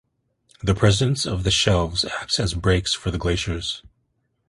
The presence of the shelves acts as "brakes" for the glaciers.